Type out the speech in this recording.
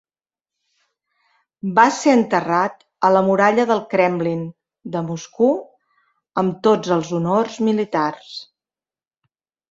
Va ser enterrat a la Muralla del Kremlin de Moscou amb tots els honors militars.